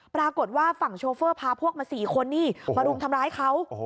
ปรากฏว่าฝั่งโชเฟอร์พาพวกมา๔คนนี่มารุมทำร้ายเขา